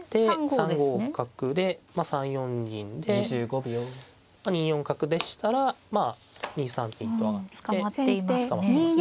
３五角で３四銀で２四角でしたら２三金と上がって捕まってますね。